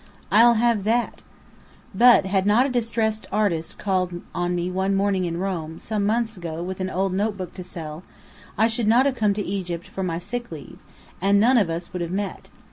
"I'll have that!" But, had not a distressed artist called on me one morning in Rome, months ago, with an old notebook to sell, I should not have come to Egypt for my sick leave; and none of us would have met.